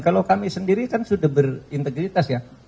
kalau kami sendiri kan sudah berintegritas ya